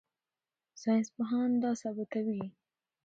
ساینسپوهان دا ثبتوي.